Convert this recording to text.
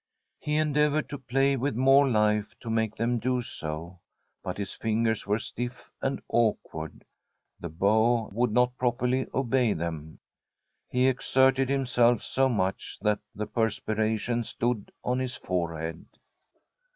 He endeavoured to play with more life to make them do so, but his fingers were stiff and awkward ; the bow would not properly obey them. He exerted himself so much that the perspiration stood on his forehead.